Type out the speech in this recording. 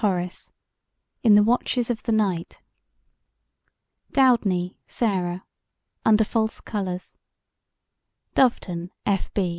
HORACE: In the Watches of the Night DOUDNEY, SARAH: Under False Colours DOVETON, F. B.